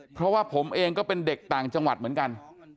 เพราะว่าผมเองก็เป็นเด็กต่างจังหวัดเหมือนกัน